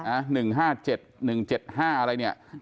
๑๕๗๑๗๕อะไรเนี่ย